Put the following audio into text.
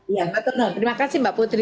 iya mbak ternun terima kasih mbak putri